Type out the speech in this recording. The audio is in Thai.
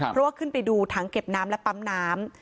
เพราะว่าขึ้นไปดูถังเก็บน้ำและปั๊มน้ำ